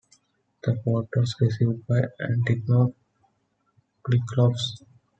The port was revived by Antigonus Cyclops.